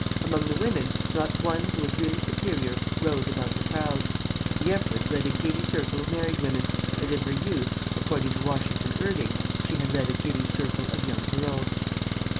Among the women, not one who was really superior rose above the crowd. The empress led a giddy circle of married women, as in her youth, according to Washington Irving, she had led a giddy circle of young girls.